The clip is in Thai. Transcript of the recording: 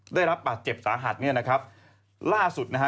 ได้รับบาดเจ็บสาหัสเนี่ยนะครับล่าสุดนะฮะ